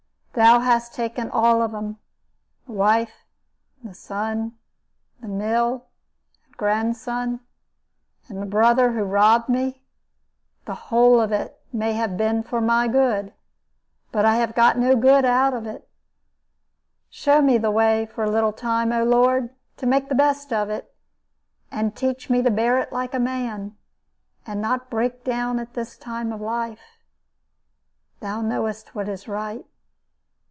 Thou hast taken all of them. Wife, and son, and mill, and grandson, and my brother who robbed me the whole of it may have been for my good, but I have got no good out of it. Show me the way for a little time, O Lord, to make the best of it; and teach me to bear it like a man, and not break down at this time of life. Thou knowest what is right.